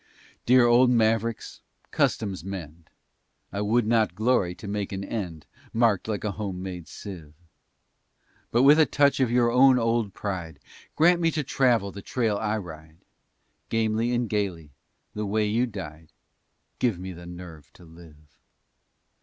Dear old mavericks, customs mend. I would not glory to make an end Marked like a homemade sieve. But with a touch of your own old pride Grant me to travel the trail I ride. Gamely and gaily, the way you died, Give me the nerve to live.